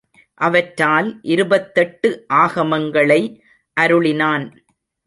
அவற்றால் இருபத்தெட்டு ஆகமங்களை அருளினான்.